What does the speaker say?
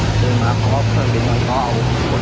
ที่ไหนปุ๊บที่ไปก็แล้วก็เจอกันไหนเจอเวลาหลังตั้งอยู่กับฐานเหลือ